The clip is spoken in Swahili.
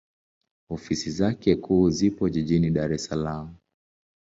Ofisi zake kuu zipo Jijini Dar es Salaam.